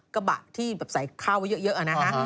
กระบะที่แบบใส่ข้าวไว้เยอะนะฮะ